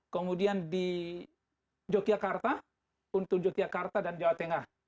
kemudian di yogyakarta untuk yogyakarta dan jawa tengah